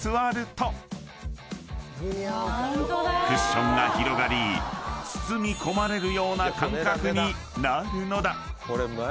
［クッションが広がり包み込まれるような感覚になるのだ］